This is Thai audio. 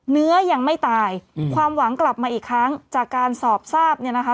เนื้อยังไม่ตายอืมความหวังกลับมาอีกครั้งจากการสอบทราบเนี่ยนะคะ